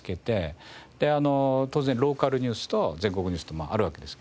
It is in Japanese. であの当然ローカルニュースと全国ニュースとあるわけですけども。